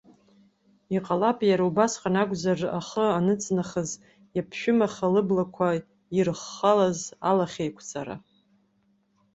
Иҟалап, иара убасҟан акәзар ахы аныҵнахыз иаԥшәымаха лыблақәа ирыххалаз алахьеиқәҵара.